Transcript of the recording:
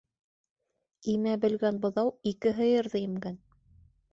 Имә белгән быҙау ике һыйырҙы имгән